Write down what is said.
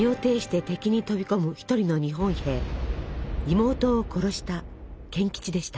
妹を殺した賢吉でした。